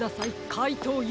かいとうＵ！